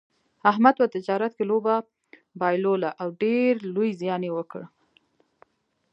احمد په تجارت کې لوبه بایلوله او ډېر لوی زیان یې وکړ.